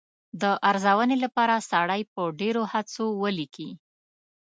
د ارزونې لپاره سړی په ډېرو هڅو ولیکي.